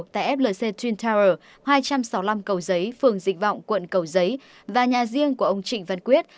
tại flc trainter hai trăm sáu mươi năm cầu giấy phường dịch vọng quận cầu giấy và nhà riêng của ông trịnh văn quyết